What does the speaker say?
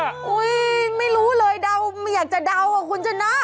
ไม่รู้เลยเดาไม่อยากจะเดาอ่ะคุณชนะ